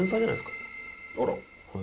あら！